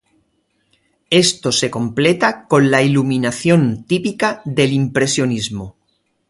Esto se completa con la iluminación típica del impresionismo.